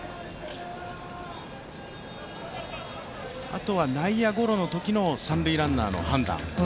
あとは内野ゴロのときの三塁ランナーの判断。